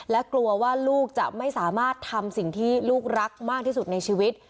และกลัวว่าลูกจะไม่สามารถทำสิ่งที่ลูกรักมากที่สุดในชีวิต